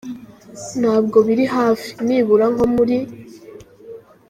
Ntabwo biri hafi, nibura nko muri ”.